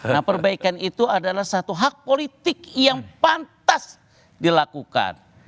nah perbaikan itu adalah satu hak politik yang pantas dilakukan